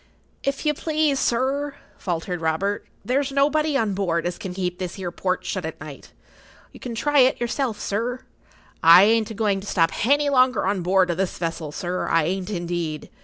"If you please, sir," faltered Robert, "there's nobody on board as can keep this 'ere port shut at night. You can try it yourself, sir. I ain't a going to stop hany longer on board o' this vessel, sir; I ain't, indeed.